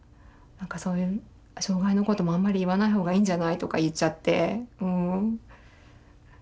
何かそういう障害のこともあんまり言わない方がいいんじゃない？とか言っちゃって。